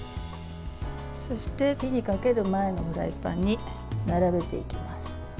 そして火にかける前のフライパンに並べていきます。